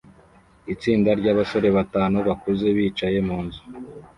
Itsinda ryabasore batanu bakuze bicaye mu nzu